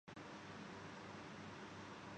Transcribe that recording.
اور بار بار پرانے کھلاڑیوں کو آزمانے